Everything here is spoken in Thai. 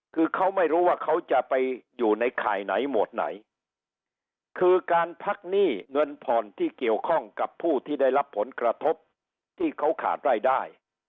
คือเขาไม่รู้ว่าเขาจะไปอยู่ในข่ายไหนหมวดไหนคือการพักหนี้เงินผ่อนที่เกี่ยวข้องกับผู้ที่ได้รับผลกระทบที่เขาขาดรายได้